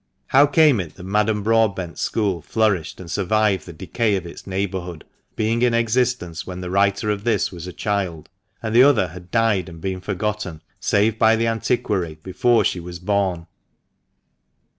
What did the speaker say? How came it that Madame Broadbent's school flourished and survived the decay of its neighbourhood, being in existence when the writer of this was a child, and the other had died and been forgotten, save by the antiquary, before she was born